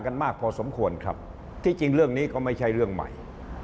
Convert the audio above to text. มากพอสมควรครับที่จริงเรื่องนี้ก็ไม่ใช่เรื่องใหม่